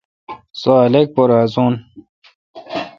سوا خلق تو پر ہسان۔